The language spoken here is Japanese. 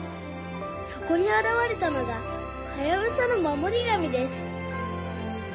「そこに現れたのがハヤブサの守り神です」